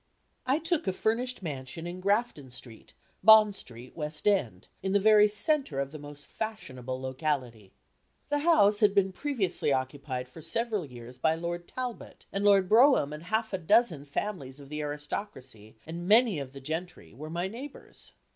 I took a furnished mansion in Grafton Street, Bond Street, West End, in the very centre of the most fashionable locality. The house had previously been occupied for several years by Lord Talbot, and Lord Brougham and half a dozen families of the aristocracy and many of the gentry were my neighbors.